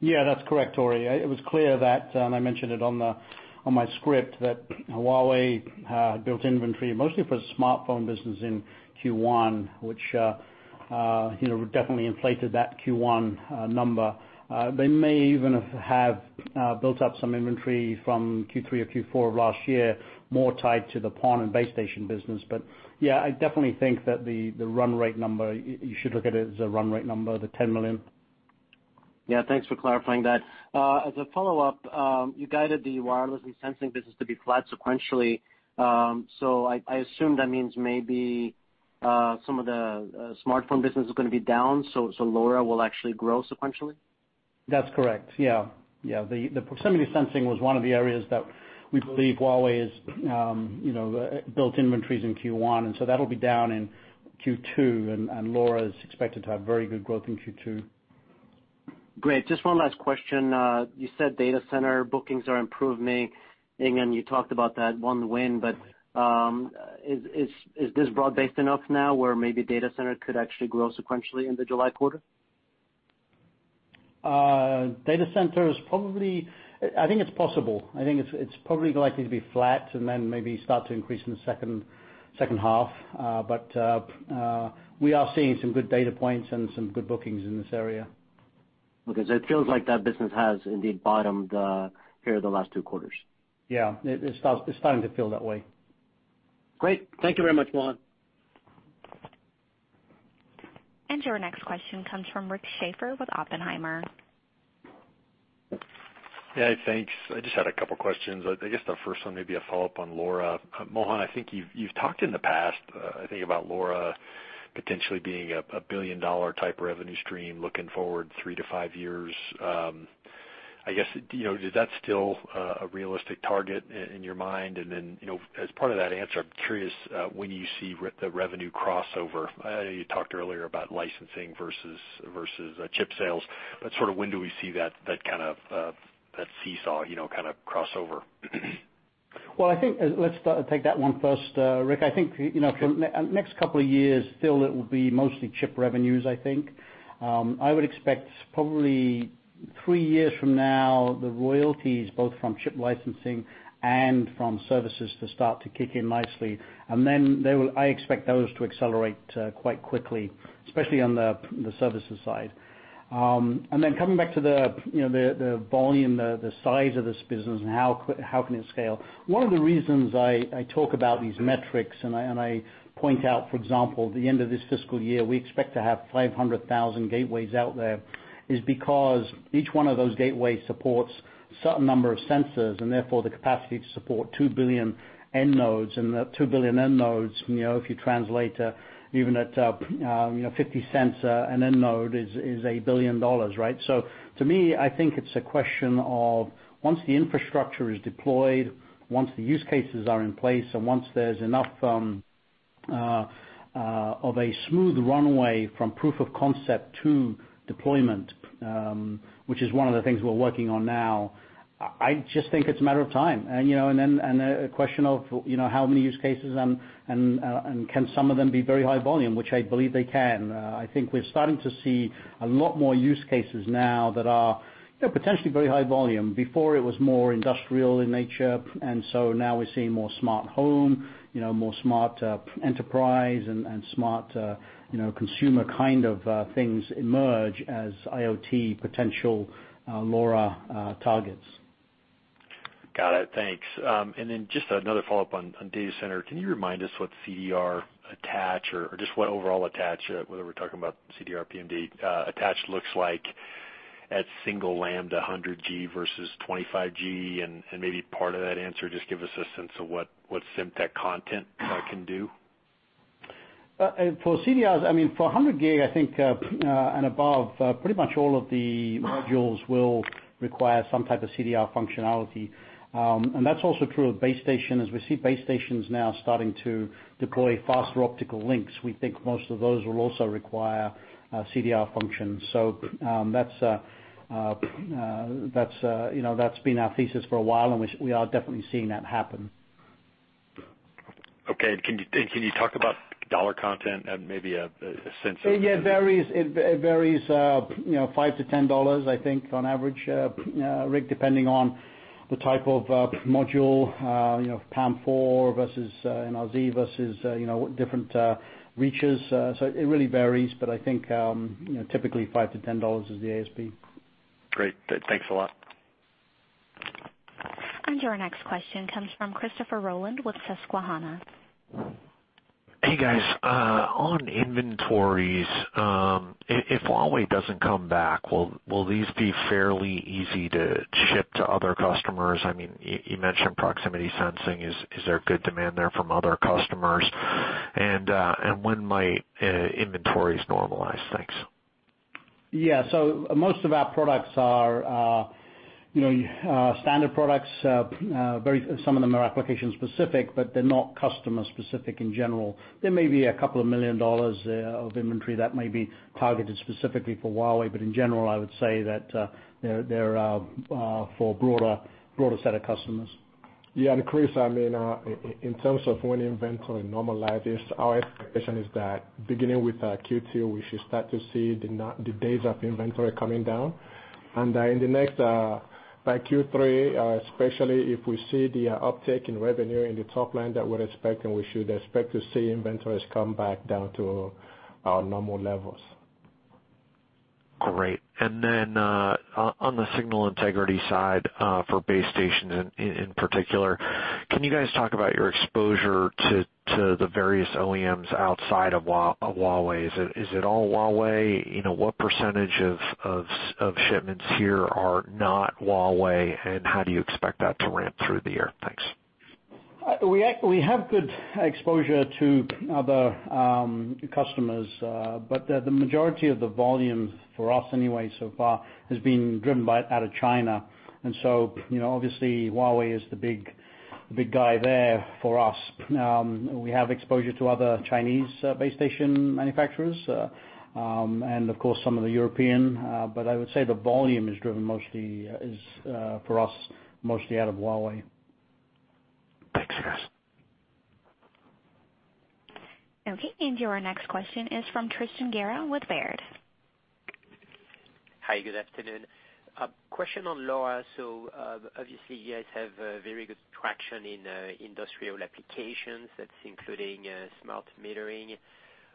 That's correct, Tore. It was clear that, and I mentioned it on my script, that Huawei had built inventory mostly for smartphone business in Q1, which definitely inflated that Q1 number. They may even have built up some inventory from Q3 or Q4 of last year, more tied to the PON and base station business. Yeah, I definitely think that the run rate number, you should look at it as a run rate number, the $10 million. Thanks for clarifying that. As a follow-up, you guided the wireless and sensing business to be flat sequentially. I assume that means maybe some of the smartphone business is going to be down, LoRa will actually grow sequentially. That's correct. The proximity sensing was one of the areas that we believe Huawei has built inventories in Q1, that'll be down in Q2, LoRa is expected to have very good growth in Q2. Great. Just one last question. You said data center bookings are improving, you talked about that one win, is this broad-based enough now where maybe data center could actually grow sequentially in the July quarter? Data center is I think it's possible. I think it's probably likely to be flat and then maybe start to increase in the second half. We are seeing some good data points and some good bookings in this area. Okay. It feels like that business has indeed bottomed here the last two quarters. Yeah. It's starting to feel that way. Great. Thank you very much, Mohan. Your next question comes from Rick Schafer with Oppenheimer. Yeah, thanks. I just had a couple questions. I guess the first one may be a follow-up on LoRa. Mohan, I think you've talked in the past, I think about LoRa potentially being a $1 billion-type revenue stream looking forward three to five years. I guess, is that still a realistic target in your mind? Then, as part of that answer, I'm curious when you see the revenue crossover. I know you talked earlier about licensing versus chip sales. Sort of when do we see that seesaw kind of crossover? Well, I think let's take that one first, Rick. I think for next couple of years, still it will be mostly chip revenues, I think. I would expect probably three years from now, the royalties, both from chip licensing and from services to start to kick in nicely. I expect those to accelerate quite quickly, especially on the services side. Coming back to the volume, the size of this business and how can it scale. One of the reasons I talk about these metrics and I point out, for example, the end of this fiscal year, we expect to have 500,000 gateways out there, is because each one of those gateways supports a certain number of sensors, and therefore, the capacity to support 2 billion end nodes. The 2 billion end nodes, if you translate even at $0.50 an end node is $1 billion, right? To me, I think it's a question of once the infrastructure is deployed, once the use cases are in place, and once there's enough of a smooth runway from proof of concept to deployment, which is one of the things we're working on now, I just think it's a matter of time. A question of how many use cases and can some of them be very high volume, which I believe they can. I think we're starting to see a lot more use cases now that are potentially very high volume. Before it was more industrial in nature, now we're seeing more smart home, more smart enterprise and smart consumer kind of things emerge as IoT potential LoRa targets. Got it. Thanks. Just another follow-up on data center. Can you remind us what CDR attach or just what overall attach, whether we're talking about CDR, PMD attach looks like at single lambda 100G versus 25G? Maybe part of that answer, just give us a sense of what Semtech content can do. For CDRs, for 100G and above, pretty much all of the modules will require some type of CDR functionality. That's also true of base station. As we see base stations now starting to deploy faster optical links, we think most of those will also require CDR functions. That's been our thesis for a while. We are definitely seeing that happen. Okay. Can you talk about dollar content and maybe a sense of- It varies $5 to $10, I think, on average, Rick, depending on the type of module, PAM4 versus NRZ versus different reaches. It really varies, but I think, typically $5 to $10 is the ASP. Great. Thanks a lot. Our next question comes from Christopher Rolland with Susquehanna. Hey, guys. On inventories, if Huawei doesn't come back, will these be fairly easy to ship to other customers? You mentioned proximity sensing. Is there good demand there from other customers? When might inventories normalize? Thanks. Yeah. Most of our products are standard products. Some of them are application specific, but they're not customer specific in general. There may be a couple of million USD of inventory that may be targeted specifically for Huawei, but in general, I would say that they're for a broader set of customers. Yeah, Chris, in terms of when inventory normalizes, our expectation is that beginning with Q2, we should start to see the days of inventory coming down. By Q3, especially if we see the uptick in revenue in the top line that we're expecting, we should expect to see inventories come back down to our normal levels. Great. Then, on the signal integrity side, for base station in particular, can you guys talk about your exposure to the various OEMs outside of Huawei? Is it all Huawei? What % of shipments here are not Huawei, and how do you expect that to ramp through the year? Thanks. We have good exposure to other customers, the majority of the volume for us anyway so far has been driven out of China. Obviously Huawei is the big guy there for us. We have exposure to other Chinese base station manufacturers, of course, some of the European. I would say the volume is driven for us, mostly out of Huawei. Thanks, guys. Okay, our next question is from Tristan Gerra with Baird. Hi, good afternoon. Question on LoRa. Obviously you guys have very good traction in industrial applications. That's including smart metering.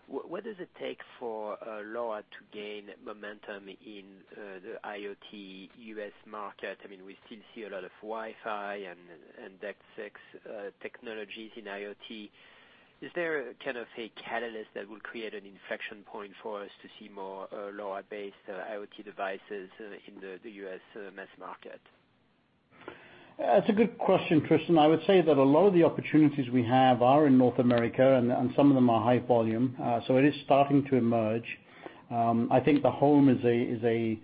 What does it take for LoRa to gain momentum in the IoT U.S. market? We still see a lot of Wi-Fi and DECT technologies in IoT. Is there a kind of a catalyst that will create an inflection point for us to see more LoRa-based IoT devices in the U.S. mass market? That's a good question, Tristan. I would say that a lot of the opportunities we have are in North America, and some of them are high volume. It is starting to emerge. I think the home is an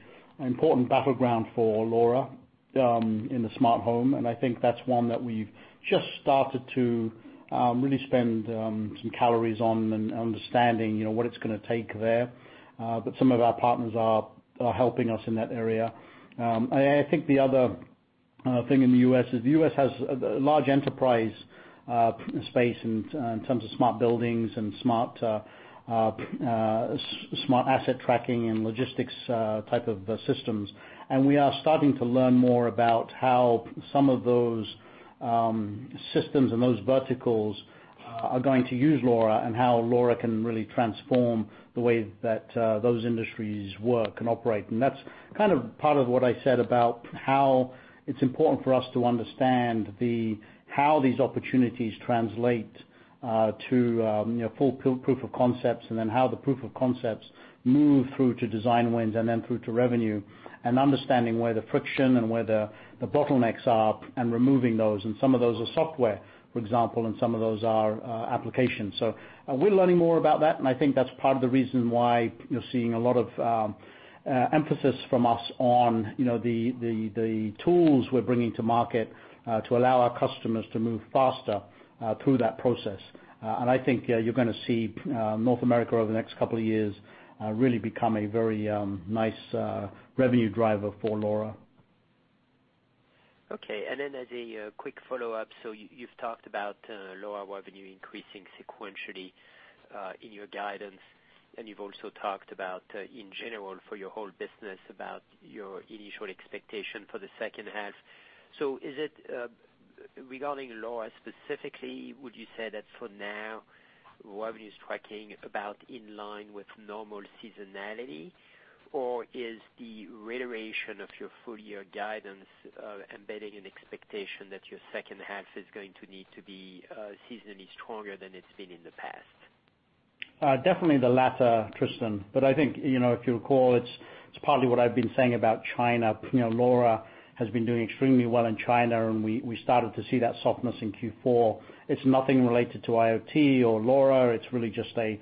important battleground for LoRa in the smart home, and I think that's one that we've just started to really spend some calories on and understanding what it's going to take there. Some of our partners are helping us in that area. I think the other thing in the U.S. is the U.S. has a large enterprise space in terms of smart buildings and smart asset tracking and logistics type of systems. We are starting to learn more about how some of those systems and those verticals are going to use LoRa and how LoRa can really transform the way that those industries work and operate. That's kind of part of what I said about how it's important for us to understand how these opportunities translate to full proof of concepts and then how the proof of concepts move through to design wins and then through to revenue. Understanding where the friction and where the bottlenecks are and removing those. Some of those are software, for example, and some of those are applications. We're learning more about that, and I think that's part of the reason why you're seeing a lot of emphasis from us on the tools we're bringing to market to allow our customers to move faster through that process. I think you're going to see North America over the next couple of years really become a very nice revenue driver for LoRa. Okay. As a quick follow-up, you've talked about LoRa revenue increasing sequentially in your guidance, and you've also talked about, in general for your whole business, about your initial expectation for the second half. Regarding LoRa specifically, would you say that for now, revenue is tracking about in line with normal seasonality? Or is the reiteration of your full year guidance, embedding an expectation that your second half is going to need to be seasonally stronger than it's been in the past? Definitely the latter, Tristan. I think, if you recall, it's partly what I've been saying about China. LoRa has been doing extremely well in China, and we started to see that softness in Q4. It's nothing related to IoT or LoRa. It's really just a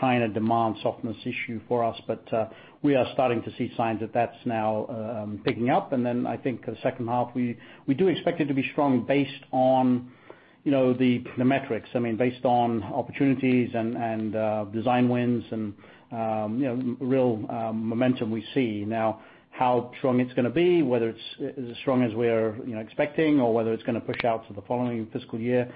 China demand softness issue for us. We are starting to see signs that's now picking up. I think the second half, we do expect it to be strong based on the metrics. Based on opportunities and design wins and real momentum we see. Now, how strong it's going to be, whether it's as strong as we're expecting, or whether it's going to push out to the following fiscal year,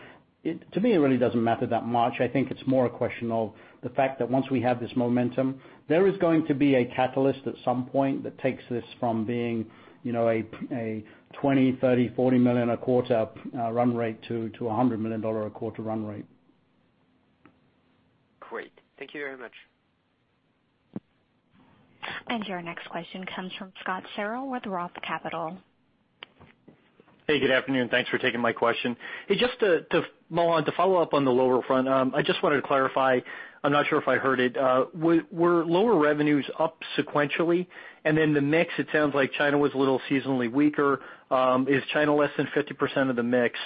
to me, it really doesn't matter that much. I think it's more a question of the fact that once we have this momentum, there is going to be a catalyst at some point that takes this from being a $20 million, $30 million, $40 million a quarter run rate to a $100 million a quarter run rate. Great. Thank you very much. Your next question comes from Scott Searle with ROTH Capital. Hey, good afternoon. Thanks for taking my question. Mohan, to follow up on the LoRa front, I just wanted to clarify, I'm not sure if I heard it. Were LoRa revenues up sequentially? The mix, it sounds like China was a little seasonally weaker. Is China less than 50% of the mix?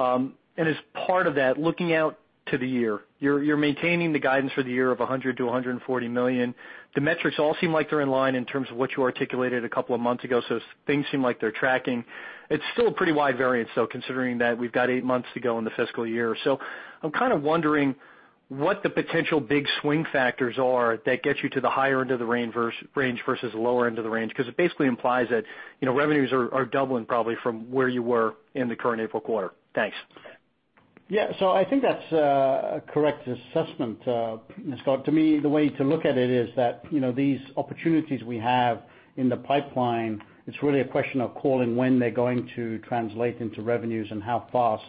As part of that, looking out to the year, you're maintaining the guidance for the year of $100 million-$140 million. The metrics all seem like they're in line in terms of what you articulated a couple of months ago, things seem like they're tracking. It's still a pretty wide variance, though, considering that we've got eight months to go in the fiscal year. I'm kind of wondering what the potential big swing factors are that get you to the higher end of the range versus lower end of the range. It basically implies that revenues are doubling probably from where you were in the current April quarter. Thanks. I think that's a correct assessment, Scott. To me, the way to look at it is that these opportunities we have in the pipeline, it's really a question of calling when they're going to translate into revenues and how fast.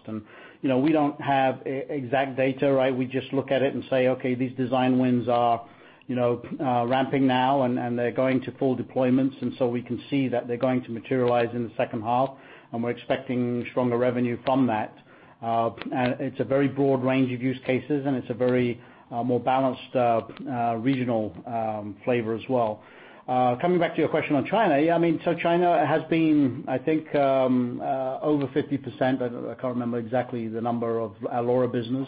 We don't have exact data, right? We just look at it and say, okay, these design wins are ramping now, and they're going to full deployments. We can see that they're going to materialize in the second half, and we're expecting stronger revenue from that. It's a very broad range of use cases, and it's a very more balanced regional flavor as well. Coming back to your question on China. China has been, I think, over 50%, I can't remember exactly the number, of our LoRa business.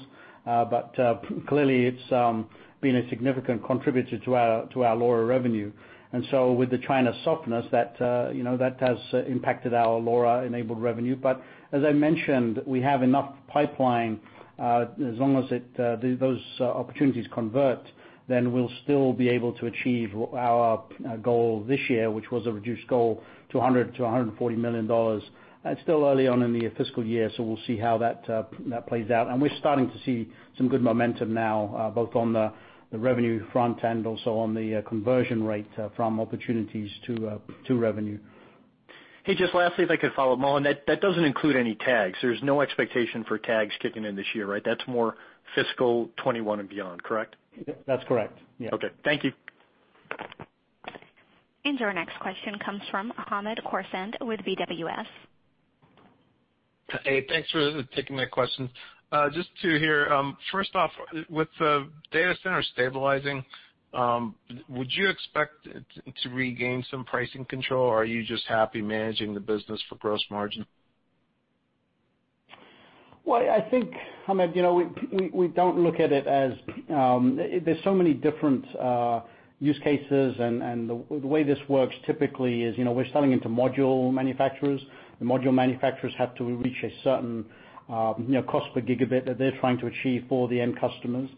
Clearly it's been a significant contributor to our LoRa revenue. With the China softness, that has impacted our LoRa enabled revenue. As I mentioned, we have enough pipeline, as long as those opportunities convert, we'll still be able to achieve our goal this year, which was a reduced goal to $100 million-$140 million. It's still early on in the fiscal year, we'll see how that plays out. We're starting to see some good momentum now, both on the revenue front and also on the conversion rate from opportunities to revenue. Hey, just lastly, if I could follow, Mohan, that doesn't include any tags. There's no expectation for tags kicking in this year, right? That's more fiscal 2021 and beyond, correct? That's correct. Yeah. Okay. Thank you. Our next question comes from Hamed Khorsand with BWS. Hey, thanks for taking my questions. Just two here. First off, with the data center stabilizing, would you expect to regain some pricing control, or are you just happy managing the business for gross margin? Well, I think, Hamed, we don't look at it as there's so many different use cases, and the way this works typically is we're selling into module manufacturers. The module manufacturers have to reach a certain cost per gigabit that they're trying to achieve for the end customers.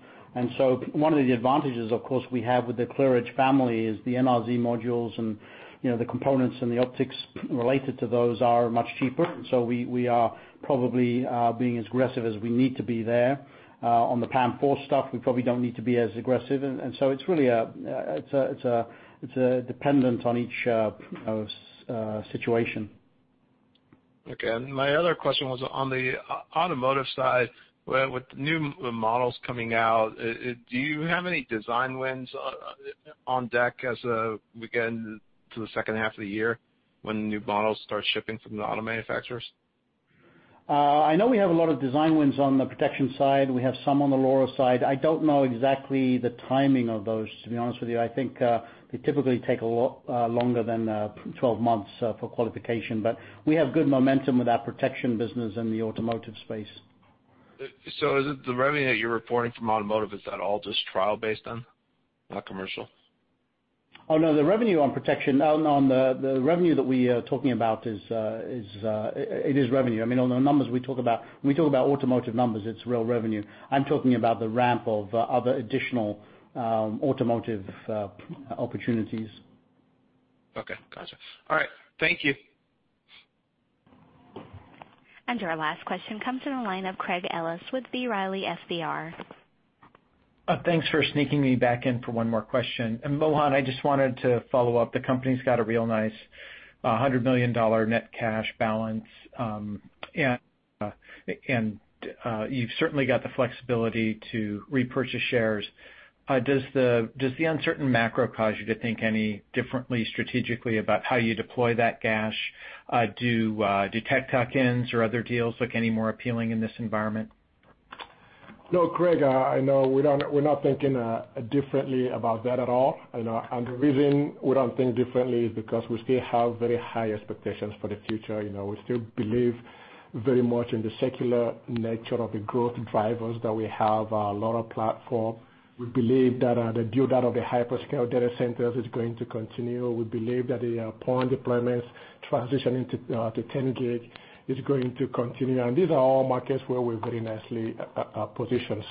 So one of the advantages, of course, we have with the ClearEdge family is the NRZ modules and the components and the optics related to those are much cheaper. So we are probably being as aggressive as we need to be there. On the PAM4 stuff, we probably don't need to be as aggressive, and so it's really dependent on each situation. Okay. My other question was on the automotive side, with new models coming out, do you have any design wins on deck as we get into the second half of the year when new models start shipping from the auto manufacturers? I know we have a lot of design wins on the protection side. We have some on the LoRa side. I don't know exactly the timing of those, to be honest with you. I think they typically take a lot longer than 12 months for qualification. We have good momentum with our protection business in the automotive space. Is it the revenue that you're reporting from automotive, is that all just trial based then? Not commercial? No, the revenue on protection, on the revenue that we are talking about is revenue. On the numbers we talk about, when we talk about automotive numbers, it's real revenue. I'm talking about the ramp of other additional automotive opportunities. Okay. Got you. All right. Thank you. Our last question comes from the line of Craig Ellis with B. Riley FBR. Thanks for sneaking me back in for one more question. Mohan, I just wanted to follow up. The company's got a real nice $100 million net cash balance. You've certainly got the flexibility to repurchase shares. Does the uncertain macro cause you to think any differently strategically about how you deploy that cash? Do tech tuck-ins or other deals look any more appealing in this environment? No, Craig, I know we're not thinking differently about that at all. The reason we don't think differently is because we still have very high expectations for the future. We still believe very much in the secular nature of the growth drivers that we have, our LoRa platform. We believe that the build-out of the hyperscale data centers is going to continue. We believe that the PON deployments transitioning to 10 gig is going to continue. These are all markets where we're very nicely positioned.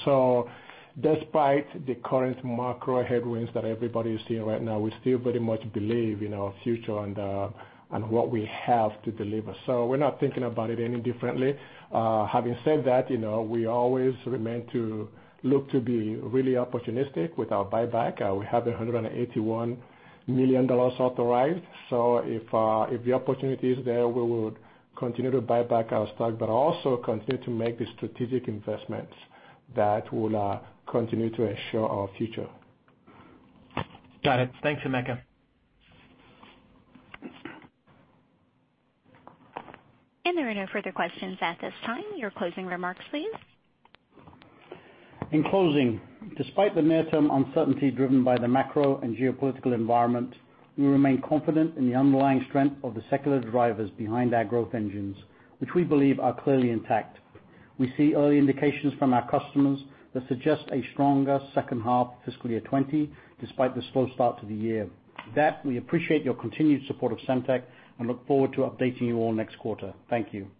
Despite the current macro headwinds that everybody is seeing right now, we still very much believe in our future and what we have to deliver. We're not thinking about it any differently. Having said that, we always remain to look to be really opportunistic with our buyback. We have $181 million authorized. If the opportunity is there, we will continue to buy back our stock, but also continue to make the strategic investments that will continue to assure our future. Got it. Thanks, Emeka. There are no further questions at this time. Your closing remarks, please. In closing, despite the near-term uncertainty driven by the macro and geopolitical environment, we remain confident in the underlying strength of the secular drivers behind our growth engines, which we believe are clearly intact. We see early indications from our customers that suggest a stronger second half fiscal year 2020, despite the slow start to the year. With that, we appreciate your continued support of Semtech and look forward to updating you all next quarter. Thank you.